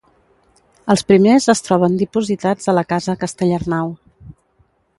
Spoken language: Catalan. Els primers es troben dipositats a la Casa Castellarnau.